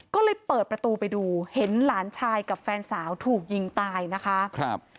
ก็เลยเปิดประตูไปดูเห็นหลานชายกับแฟนสาวถูกยิงตายนะคะครับ